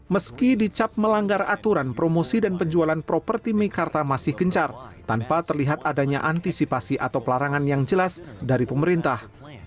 meski dicap melanggar aturan promosi dan penjualan properti mekarta masih gencar tanpa terlihat adanya antisipasi atau pelarangan yang jelas dari pemerintah